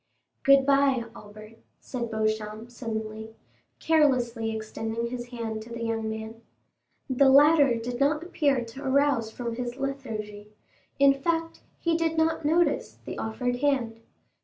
"Good bye, Albert," said Beauchamp suddenly, carelessly extending his hand to the young man. The latter did not appear to arouse from his lethargy; in fact, he did not notice the offered hand.